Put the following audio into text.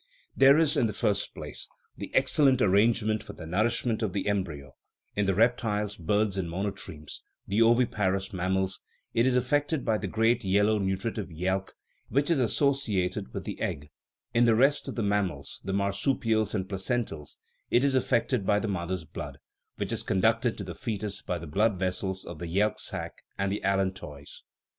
There is, in the THE RIDDLE OF THE UNIVERSE first place, the excellent arrangement for the nourish ment of the embryo ; in the reptiles, birds, and mono tremes (the oviparous mammals) it is effected by the great yellow nutritive yelk, which is associated with the egg ; in the rest of the mammals (the marsupials and placentals) it is effected by the mother's blood, which is conducted to the foetus by the blood vessels of the yelk sac and the allantois.